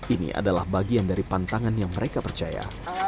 ini adalah bagian dari pantangan yang mereka percaya